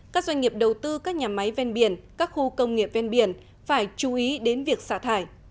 các doanh nghiệp đầu tư các nhà máy ven biển các khu công nghiệp ven biển phải chú ý đến việc xả thải